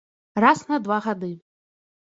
Раз на два гады.